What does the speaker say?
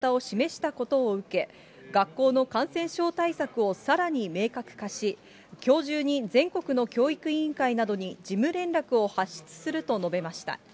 末松大臣は厚生労働省が先週、マスク着用の考え方を示したことを受け、学校の感染症対策をさらに明確化し、きょう中に全国の教育委員会などに事務連絡を発出すると述べました。